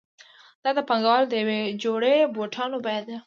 دا د پانګوال د یوې جوړې بوټانو بیه ده